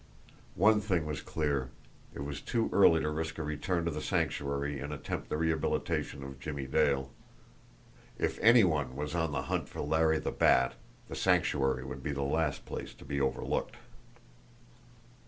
One thing was clear: it was too early to risk a return to the Sanctuary and attempt the rehabilitation of Jimmie Dale. If any one was on the hunt for Larry the Bat, the Sanctuary would be the last place to be overlooked.